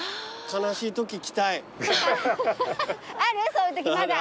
そういうときまだ。